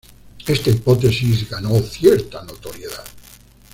Esta hipótesis ganó cierta notoriedad.